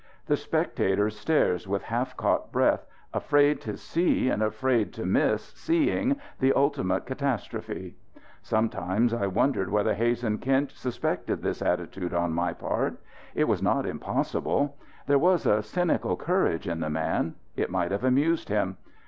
The spectator stares with half caught breath, afraid to see and afraid to miss seeing the ultimate catastrophe. Sometimes I wondered whether Hazen Kinch suspected this attitude on my part. It was not impossible. There was a cynical courage in the man; it might have amused him.